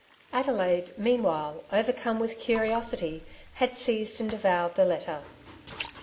Adelaide meanwhile, overcome with curiosity, had seized and devoured the letter.